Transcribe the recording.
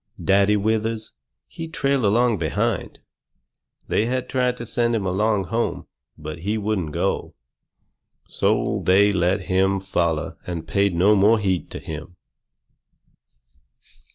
Daddy Withers, he trailed along behind. They had tried to send him along home, but he wouldn't go. So they let him foller and paid no more heed to him.